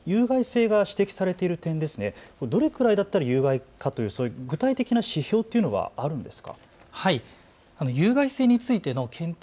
この有害性が指摘されている点ですね、どれくらいだったら有害かというそういう具体的な指標というのはあるんですか。